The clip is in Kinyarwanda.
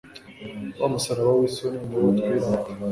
wa musaraba w'isoni niwo twirata